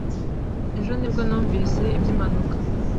Ejo ni bwo numvise iby'impanuka.